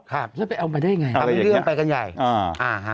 ครับจะไปเอามาได้ยังไงอะไรอย่างเงี้ยทำเรื่องไปกันใหญ่อ่าอ่าฮะ